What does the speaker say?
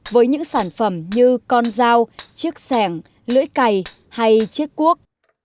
với những sản phẩm như con dao chiếc sẻng lưỡi cày hay chiếc cuốc